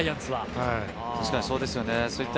確かにそうですよね。